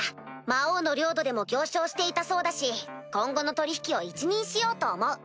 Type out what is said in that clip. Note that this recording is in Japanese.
魔王の領土でも行商していたそうだし今後の取引を一任しようと思う。